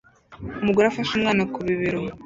Umugore afashe umwana ku bibero